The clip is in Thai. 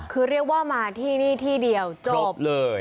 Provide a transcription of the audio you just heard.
คือเรียกว่ามาที่นี่ที่เดียวจบเลย